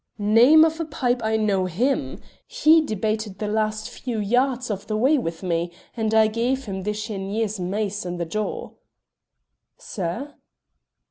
"Name of a pipe! I know him; he debated the last few yards of the way with me, and I gave him De Chenier's mace in the jaw." "Sir?"